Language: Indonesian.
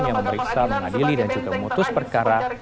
yang memeriksa mengadili dan juga memutus perkara